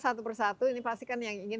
satu persatu ini pasti kan yang ingin